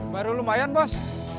baru lumayan bos